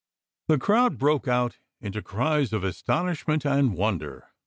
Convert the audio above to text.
The crowd broke out into cries of astonish ment and wonder.